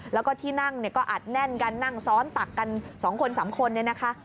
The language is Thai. แล้วก็ที่นั่งก็อัดแน่นกันนั่งซ้อนตักกัน๒คน๓คนนะคะ